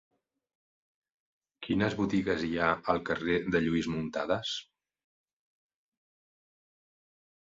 Quines botigues hi ha al carrer de Lluís Muntadas?